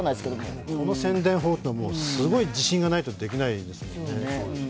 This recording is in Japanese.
この宣伝法というのはすごい自信がないとできないですよね。